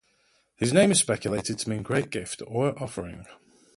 His name is speculated to mean great gift or offering.